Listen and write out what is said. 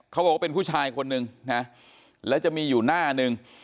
เขาบอกว่าเป็นผู้ชายคนนึงนะแล้วจะมีอยู่หน้าหนึ่ง